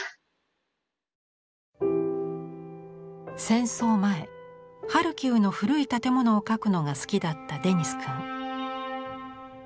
戦争前ハルキウの古い建物を描くのが好きだったデニス君。